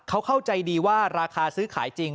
เขาเข้าใจดีว่าราคาซื้อขายจริง